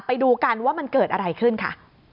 ไปดูกันว่ามันเกิดอะไรขึ้นค่ะ